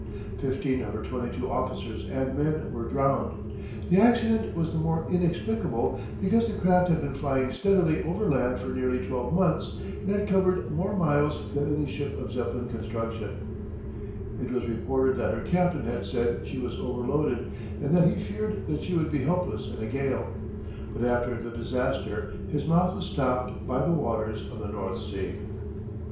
Fifteen of her twenty two officers and men were drowned. The accident was the more inexplicable because the craft had been flying steadily overland for nearly twelve months and had covered more miles than any ship of Zeppelin construction. It was reported that her captain had said she was overloaded and that he feared that she would be helpless in a gale. But after the disaster his mouth was stopped by the waters of the North Sea. [Illustration: _A German Dirigible, Hansa Type.